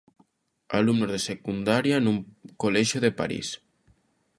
Alumnos de secundaria nun colexio de París.